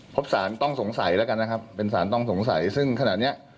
พบสารต้องสงสัยแล้วกันนะครับเป็นสารต้องสงสัยซึ่งขณะเนี้ย